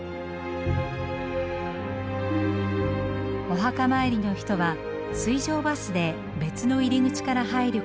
お墓参りの人は水上バスで別の入り口から入ることができます。